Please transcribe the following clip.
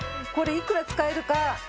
これ幾ら使えるか。